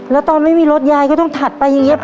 แล้วตอนไม่มีรถยายก็ต้องถัดไปอย่างนี้